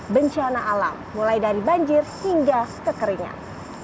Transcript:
bencana alam mulai dari banjir hingga kekeringan